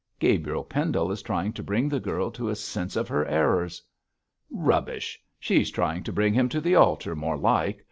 'Gabriel Pendle is trying to bring the girl to a sense of her errors.' 'Rubbish! She's trying to bring him to the altar, more like.